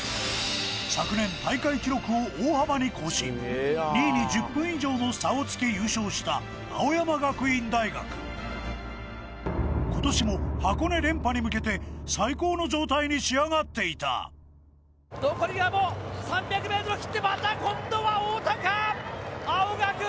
昨年大会記録を大幅に更新２位に１０分以上の差をつけ優勝した青山学院大学今年も箱根連覇に向けて最高の状態に仕上がっていた残りはもう３００ｍをきってまた今度は太田か？